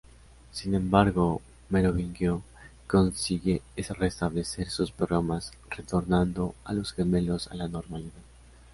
Sin embargo, Merovingio consigue restablecer sus programas, retornando a los Gemelos a la normalidad.